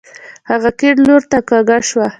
هغه کيڼ لورته کږه شوه.